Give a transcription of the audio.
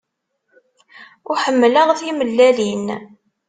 Ur ḥemmleɣ timellalin.